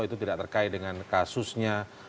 itu tidak terkait dengan kasusnya